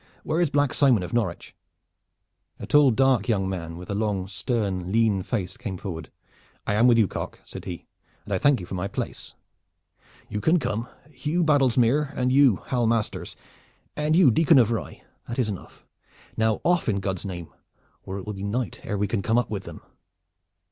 Where is Black Simon of Norwich?" A tall dark young man with a long, stern, lean face came forward. "I am with you, Cock," said he, "and I thank you for my place." "You can come, Hugh Baddlesmere, and you, Hal Masters, and you, Dicon of Rye. That is enough. Now off, in God's name, or it will be night ere we can come up with them!"